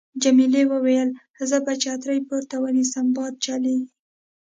جميلې وويل:: زه به چترۍ پورته ونیسم، باد چلېږي.